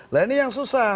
lainnya yang susah